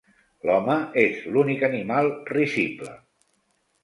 L'home és l'únic animal risible.